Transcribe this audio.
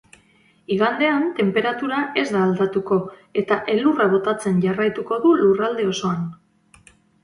Igandean, tenperatura ez da aldatuko eta elurra botatzen jarraituko du lurralde osoan.